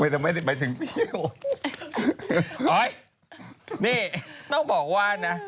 นี่ต้องบอกว่านะ